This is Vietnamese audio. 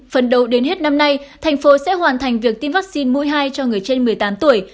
phần đầu đến hết năm nay thành phố sẽ hoàn thành việc tiêm vaccine mũi hai cho người trên một mươi tám tuổi